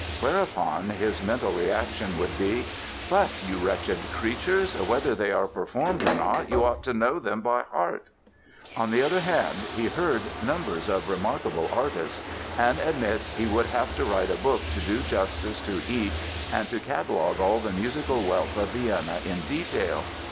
Whereupon his mental reaction would be: "But, you wretched creatures, whether they are performed or not, you ought to know them by heart!" On the other hand, he heard numbers of remarkable artists and admits he "would have to write a book to do justice to each and to catalogue all the musical wealth of Vienna in detail".